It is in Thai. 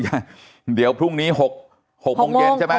เดี๋ยวพรุ่งนี้๖โมงเย็นใช่ไหม